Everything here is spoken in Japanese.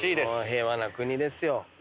平和な国ですよ。